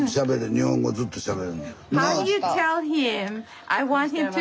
日本語ずっとしゃべれるんや。